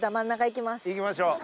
行きましょう。